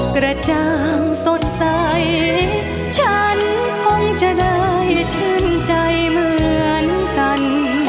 กระจ่างสดใสฉันคงจะได้ชื่นใจเหมือนกัน